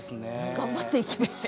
頑張っていきましょう。